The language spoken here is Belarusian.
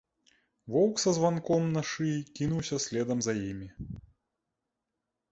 Воўк са званком на шыі кінуўся следам за імі.